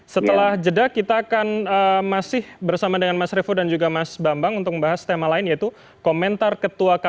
setelah jeda kita akan masih bersama dengan mas revo dan juga mas bambang untuk membahas tema lain yaitu komentar ketua kpk